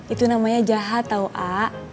itu namanya jahat tau a